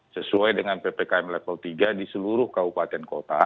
sesuai dengan ppkm level tiga di seluruh kabupaten kota